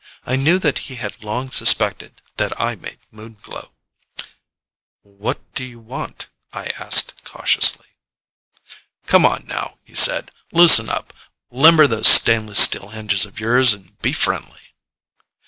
I knew that he had long suspected that I made Moon Glow. "What do you want?" I asked cautiously. "Come on now," he said, "loosen up! Limber those stainless steel hinges of yours and be friendly."